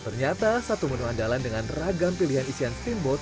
ternyata satu menu andalan dengan ragam pilihan isian steamboat